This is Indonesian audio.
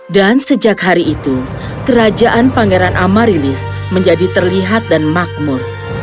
dan sejak hari itu kerajaan pangeran amaryllis menjadi terlihat dan makmur